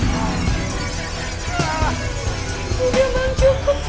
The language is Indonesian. hati hati bang cukup